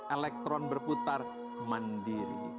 elektron berputar mandiri